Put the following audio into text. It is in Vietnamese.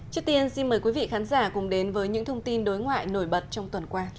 trước tiên xin mời quý vị khán giả cùng đến với những thông tin đối ngoại nổi bật trong tuần qua